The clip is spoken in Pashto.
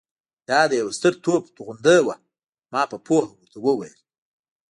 دا د یوه ستر توپ توغندۍ وه. ما په پوهه ورته وویل.